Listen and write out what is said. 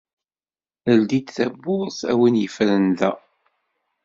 ldi-d tawwurt a win yefren da.